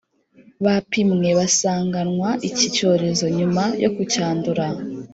bapimwe basanganwa iki cyorezo nyuma yo kucyandura